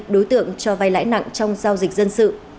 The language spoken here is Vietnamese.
đối tượng cho vay lãi nặng trong giao dịch dân sự